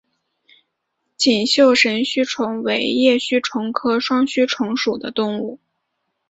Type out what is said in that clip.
锦绣神须虫为叶须虫科双须虫属的动物。